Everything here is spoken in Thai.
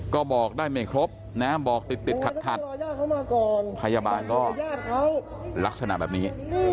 ก็บอกได้ไม่ครบนะบอกติดขัดพยาบาลก็ลักษณะแบบนี้